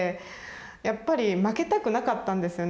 やっぱり負けたくなかったんですよね